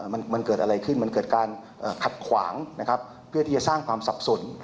มันเกิดอะไรขึ้นมันเกิดการขัดขวางนะครับเพื่อที่จะสร้างความสับสน